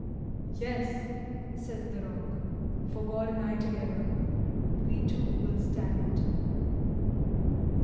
"Yes," says the rock, "For God and I together, We two will stand."